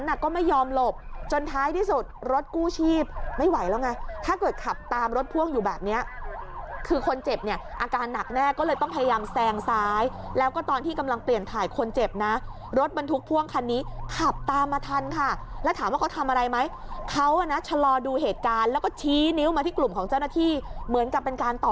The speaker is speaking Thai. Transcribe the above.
น่ะก็ไม่ยอมหลบจนท้ายที่สุดรถกู้ชีพไม่ไหวแล้วไงถ้าเกิดขับตามรถพ่วงอยู่แบบเนี้ยคือคนเจ็บเนี่ยอาการหนักแน่ก็เลยต้องพยายามแซงซ้ายแล้วก็ตอนที่กำลังเปลี่ยนถ่ายคนเจ็บนะรถบรรทุกพ่วงคันนี้ขับตามมาทันค่ะแล้วถามว่าเขาทำอะไรไหมเขาอ่ะนะชะลอดูเหตุการณ์แล้วก็ชี้นิ้วมาที่กลุ่มของเจ้าหน้าที่เหมือนกับเป็นการต่อ